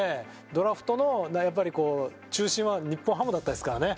ドラフトの中心は日本ハムだったですからね。